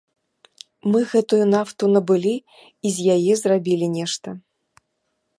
Мы гэтую нафту набылі і з яе зрабілі нешта.